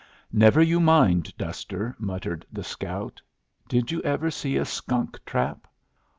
"Never you mind, Duster," muttered the scout. "Did you ever see a skunk trap?